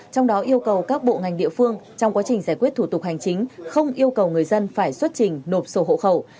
trong đó yêu cầu các bộ ngành địa phương trong quá trình giải quyết thủ tục hành chính không yêu cầu người dân phải xuất trình nộp sổ hộ khẩu